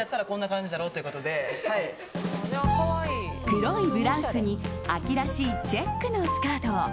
黒いブラウスに秋らしいチェックのスカート。